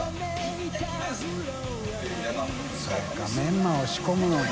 修Δメンマを仕込むのか。